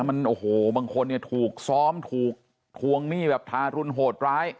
มันโอ้โหบางคนเนี่ยถูกซ้อมถูกทวงหนี้แบบทารุณโหดร้าย